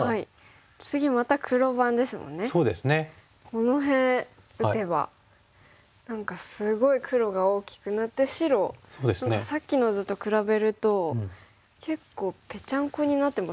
この辺打てば何かすごい黒が大きくなって白さっきの図と比べると結構ぺちゃんこになってますよね。